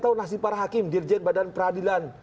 tadi para hakim dirjen badan peradilan